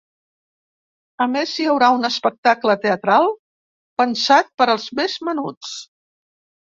A més, hi haurà un espectacle teatral pensat per als més menuts.